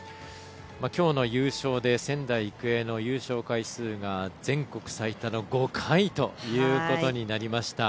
きょうの優勝で仙台育英の優勝回数が全国最多の５回ということになりました。